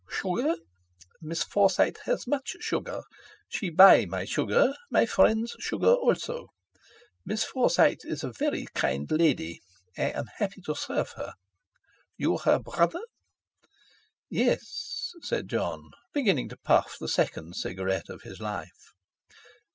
"Sugar? Miss Forsyte has much sugar—she buy my sugar, my friend's sugar also. Miss Forsyte is a veree kind lady. I am happy to serve her. You her brother?" "Yes," said Jon, beginning to puff the second cigarette of his life.